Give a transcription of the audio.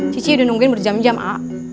cici udah nungguin berjam jam a